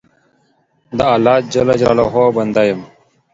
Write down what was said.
د الله جل جلاله بنده یم.